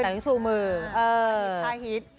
พาหิด